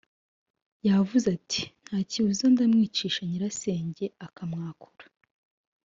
yavuze ati ntakibuza ndamwicisha”.Nyirasenge akamwakura.